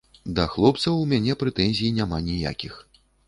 Да хлопцаў у мяне прэтэнзій няма ніякіх.